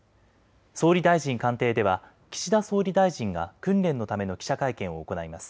総理大臣官邸では岸田総理大臣が訓練のための記者会見を行います。